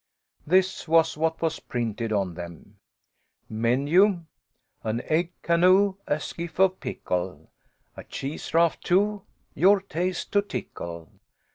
This was what was printed on them : MENU. An egg Canoe A Skiff of pickle A Cheese Raft too. Your taste to tickle.